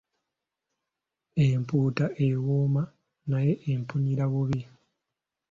Empuuta ewooma naye empunyira bubi.